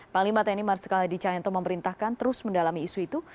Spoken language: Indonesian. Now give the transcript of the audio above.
panglima tni marsikala dicayento memerintahkan terus mendalami isu itu